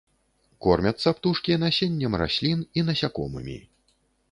Кормяцца птушкі насеннем раслін і насякомымі.